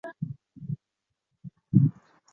五代青州博兴人。